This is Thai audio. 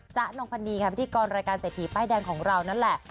จ๊ะน้องพะนีครับพิธีกรรายการเสถียร์ป้ายแดงของเรานั่นแหละ